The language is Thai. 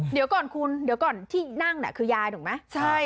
เดี๋ยวก่อนคุณเดี๋ยวก่อนที่นั่งคือยายถูกไหมใช่